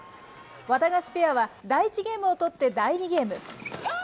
ワタガシペアは第１ゲームを取って第２ゲーム。